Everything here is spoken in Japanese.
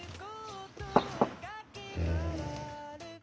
うん。